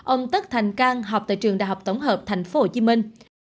ông tất thành cang học tại trường đại học tổng hợp thành phố hồ chí minh